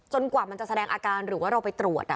กว่ามันจะแสดงอาการหรือว่าเราไปตรวจ